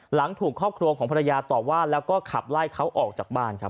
หลังถูกครอบครัวของภรรยาต่อว่าแล้วก็ขับไล่เขาออกจากบ้านครับ